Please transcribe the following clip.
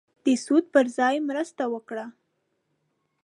د سود پر ځای مرسته وکړه.